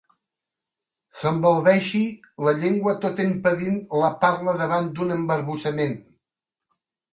S'embalbeixi la llengua tot impedint la parla davant d'un embarbussament.